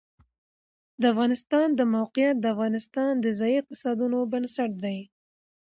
د افغانستان د موقعیت د افغانستان د ځایي اقتصادونو بنسټ دی.